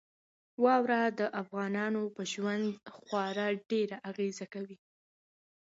واوره د افغانانو په ژوند خورا ډېره اغېزه کوي.